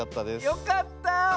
よかった。